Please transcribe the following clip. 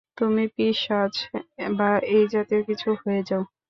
তুমি পিশাচ বা এই জাতীয় কিছু হয়ে যাও।